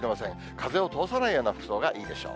風を通さないような服装がいいでしょう。